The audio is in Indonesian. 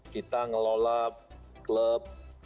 kita mengelola klub